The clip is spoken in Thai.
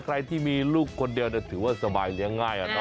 ใครที่มีลูกคนเดียวถือว่าสบายเลี้ยงง่าย